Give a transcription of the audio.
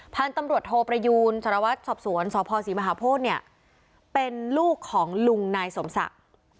พันธุ์ตำรวจโทประยูนสารวัตรสอบสวนสพศรีมหาโพธิเนี่ยเป็นลูกของลุงนายสมศักดิ์